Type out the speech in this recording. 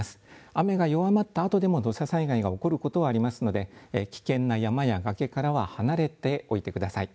雨が弱まったあとでも土砂災害が起こることはありますので危険な山や崖からは離れておいてください。